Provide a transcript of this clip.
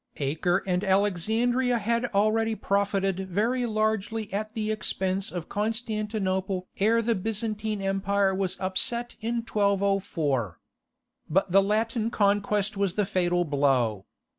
Acre and Alexandria had already profited very largely at the expense of Constantinople ere the Byzantine Empire was upset in 1204. But the Latin conquest was the fatal blow.